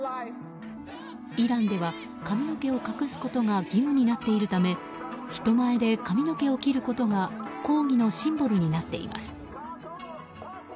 イランでは髪の毛を隠すことが義務になっているため人前で髪の毛を切ることが抗議のシンボルになっています。